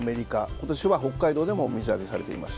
今年は北海道でも水揚げされています。